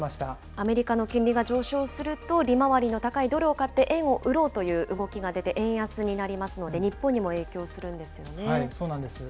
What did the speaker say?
アメリカの金利が上昇すると、利回りの高いドルを買って円を売ろうという動きが出て円安になりますので、日本にも影響するんでそうなんです。